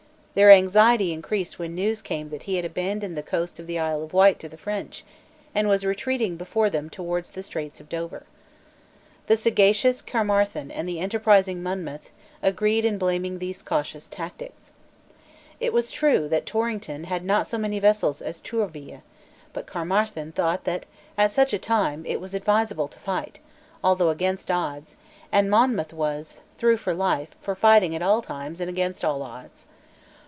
Their anxiety increased when news came that he had abandoned the coast of the Isle of Wight to the French, and was retreating before them towards the Straits of Dover. The sagacious Caermarthen and the enterprising Monmouth agreed in blaming these cautious tactics. It was true that Torrington had not so many vessels as Tourville; but Caermarthen thought that, at such a time, it was advisable to fight, although against odds; and Monmouth was, through life, for fighting at all times and against all odds.